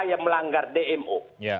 yang melanggar dmo